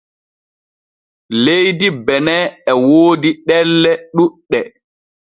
Leydi Bene e woodi ɗelle ɗuuɗɗe.